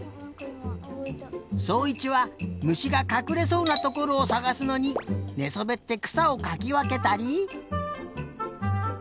そういちはむしがかくれそうなところをさがすのにねそべってくさをかきわけたり。